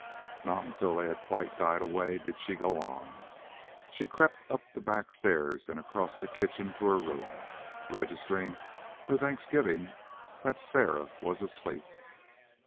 Not until they had quite died away did she go on. She crept up the back stairs and across the kitchen to her room, registering her thanksgiving that Sarah was asleep.